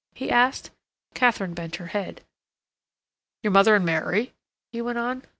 he asked. Katharine bent her head. "Your mother and Mary?" he went on.